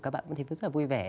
các bạn cũng thấy rất là vui vẻ